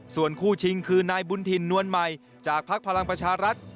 ส่วนคู่ชิงคือนายบุญถิ่นนวลใหม่จากภักดิ์พลังประชารัฐ